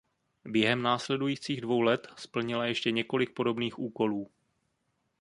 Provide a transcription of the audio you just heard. Během následujících dvou let splnila ještě několik podobných úkolů.